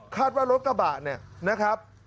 คาดว่ารถกระบะนะครับ